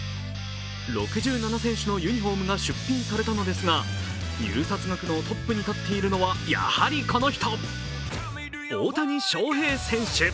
６７選手のユニフォームが出品されたのですが入札額のトップに立っているのはやはりこの人、大谷翔平選手。